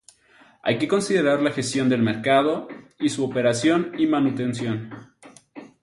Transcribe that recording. Hay que considerar la gestión del mercado, y su operación y manutención.